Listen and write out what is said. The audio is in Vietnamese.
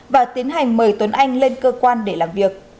và tiến hành mời tuấn anh lên cơ quan để làm việc